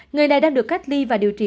người này đang được cách ly và điều trị